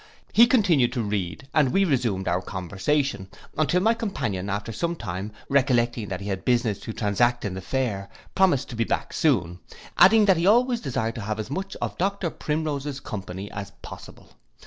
He continued to read, and we resumed our conversation, until my companion, after some time, recollecting that he had business to transact in the fair, promised to be soon back; adding, that he always desired to have as much of Dr Primrose's company as possible.